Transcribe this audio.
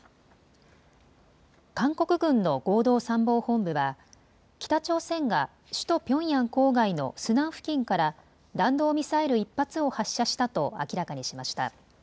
韓国軍の合同参謀本部は北朝鮮が首都ピョンヤン郊外のスナン付近から弾道ミサイル１発を発射したと明らかにしました。